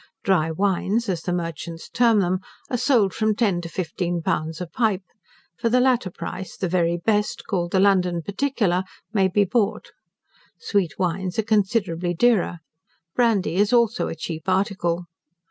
Dry wines, as the merchants term them, are sold from ten to fifteen pounds a pipe; for the latter price, the very best, called the London Particular, may be bought: sweet wines are considerably dearer. Brandy is also a cheap article.